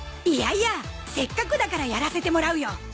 いやいやせっかくだからやらせてもらうよ